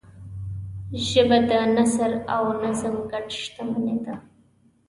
ژبه د نثر او نظم ګډ شتمنۍ ده